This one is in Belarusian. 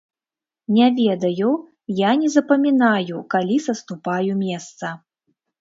Не ведаю, я не запамінаю, калі саступаю месца.